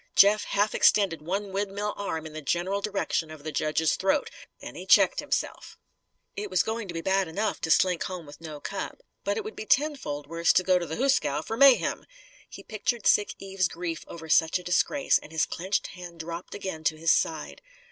Jeff half extended one windmill arm in the general direction of the judge's throat. Then he checked himself. It was going to be bad enough to slink home with no cup, but it would be ten fold worse to go to the hoosgow for mayhem. He pictured sick Eve's grief over such a disgrace, and his clenched hand dropped again to his side.